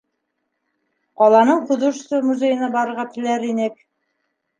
Ҡаланың художество музейына барырға теләр инек.